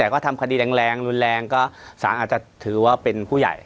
แต่ก็ทำคดีแรงรุนแรงก็สารอาจจะถือว่าเป็นผู้ใหญ่